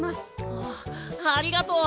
あっありがとう！